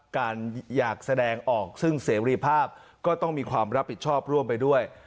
การอยากแสดงออกซึ่งเสรีภาพก็ต้องมีความรับผิดชอบร่วมไปด้วย